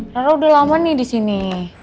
rara udah lama nih disini